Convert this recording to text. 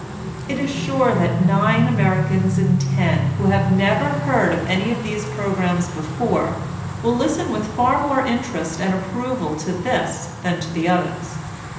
It is sure that nine Americans in ten who have never heard of any of these programs before, will listen with far more interest and approval to this than to the others.